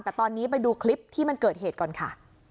แต่ตอนนี้ไปดูคลิปที่มันเกิดเหตุก่อนค่ะ